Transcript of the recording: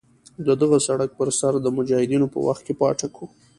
د دغه سړک پر سر د مجاهدینو په وخت کې پاټک وو.